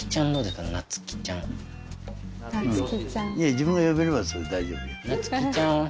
自分が呼べればそれで大丈夫。